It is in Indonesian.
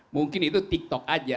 mungkin itu tiktok aja